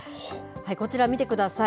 こちら、見てください。